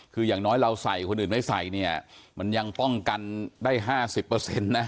คืออย่างน้อยเราใส่คนอื่นไม่ใส่เนี้ยมันยังป้องกันได้ห้าสิบเปอร์เซ็นต์นะ